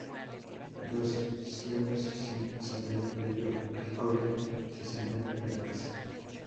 Los Sioux, sin saber el peligro que corren, se centran en la caza.